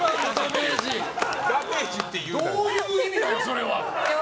どういう意味なの、それは。